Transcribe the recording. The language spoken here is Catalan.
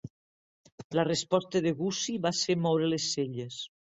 La resposta de Gussie va ser moure les celles.